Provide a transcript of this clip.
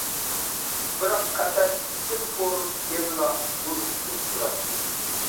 بىراق، قەپەس، سىم تور يەنىلا يولۇمنى توسۇپ تۇراتتى.